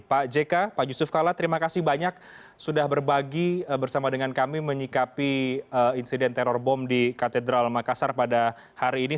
pak jk pak yusuf kalla terima kasih banyak sudah berbagi bersama dengan kami menyikapi insiden teror bom di katedral makassar pada hari ini